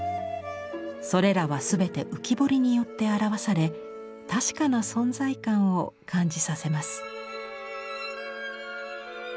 それらは全て浮き彫りによって表され確かな存在感を感じさせます。